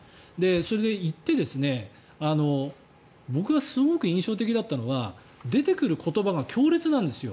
それで行って僕がすごく印象的だったのは出てくる言葉が強烈なんですよ。